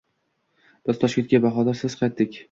Biz Toshkentga Bahodirsiz qaytdik.